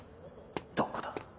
どこだ。